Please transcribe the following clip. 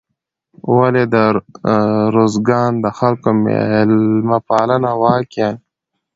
ولې د روزګان د خلکو میلمه پالنه واقعا